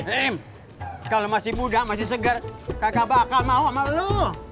tim kalau masih muda masih segar kakak bakal mau sama lu